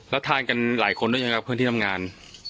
แล้วทานกันหลายคนหรือยังครับเพื่อนที่ทำงาน